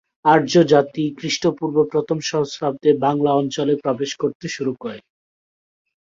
আর্য জাতি খ্রিস্টপূর্ব প্রথম সহস্রাব্দে বাংলা অঞ্চলে প্রবেশ করতে শুরু করে।